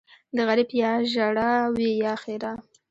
ـ د غريب يا ژړا وي يا ښېرا.